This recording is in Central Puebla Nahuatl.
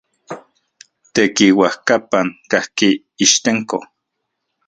Tekiuajkapan kajki Ixtenco.